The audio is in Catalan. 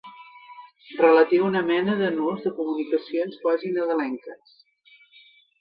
Relatiu a una mena de nus de comunicacions quasi nadalenques.